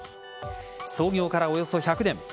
創業からおよそ１００年。